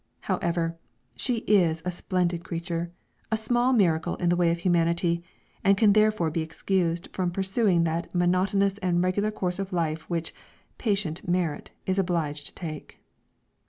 However, she is a splendid creature a small miracle in the way of humanity and can therefore be excused from pursuing that monotonous and regular course of life which "patient merit" is obliged to take.